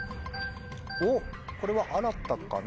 おっこれはあらたかな。